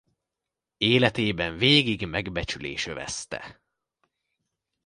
Életében végig megbecsülés övezte.